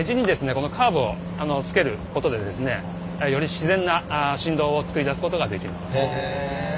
このカーブをつけることでですねより自然な振動を作り出すことができます。